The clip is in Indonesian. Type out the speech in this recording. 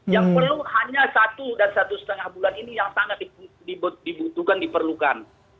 yang perlu hanya satu dan satu setengah bulan ini yang sangat dibutuhkan diperlukan